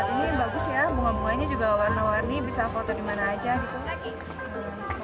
ini bagus ya bunga bunganya juga warna warni bisa foto dimana aja gitu